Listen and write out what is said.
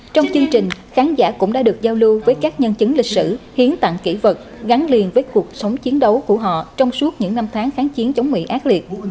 trong chương trình khán giả cũng đã được giao lưu với các nhân chứng lịch sử hiến tặng kỹ vật gắn liền với cuộc sống chiến đấu của họ trong suốt những năm tháng kháng chiến chống mỹ ác liệt